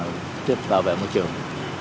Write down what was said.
giúp bảo vệ môi trường